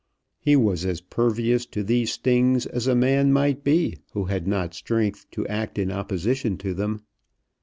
He was as pervious to these stings as a man might be who had not strength to act in opposition to them.